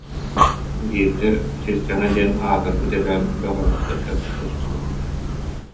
Биирдэ Чилчэҥэ диэн аатырбыт эбээн бөҕөһүн кытта тустубут